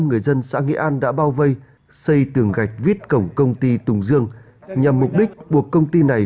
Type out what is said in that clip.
người dân xã nghĩa an đã bao vây xây tường gạch vít cổng công ty tùng dương nhằm mục đích buộc công ty này